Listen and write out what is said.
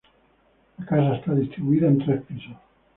La casa está distribuida en tres pisos.